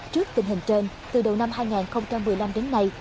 trước tình hình trên từ đầu năm hai nghìn một mươi năm đến nay